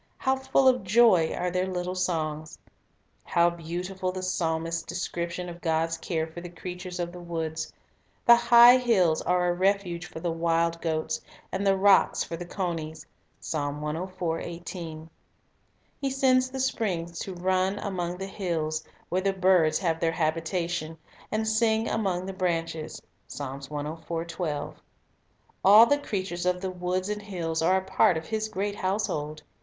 how full of joy are their little songs ! How beautiful the psalmist's description of God's care for the creatures of the woods, — "The high hills are a refuge for the wild goats; And the rocks for the conies." ' He sends the springs to run among the hills, where the birds have their habitation, and "sing among the branches." 1 All the creatures of the woods and hills are a part of His great household.